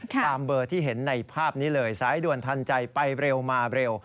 ตามเบอร์ที่เห็นในภาพนี้เลยสายด่วนทันใจไปเร็วมาเร็ว